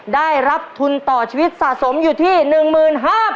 ได้รับทุนต่อชีวิตสะสมอยู่ที่๑๕๐๐บาท